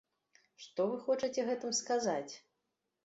Што вы хочаце гэтым сказаць?